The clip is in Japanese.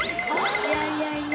いやいやいや。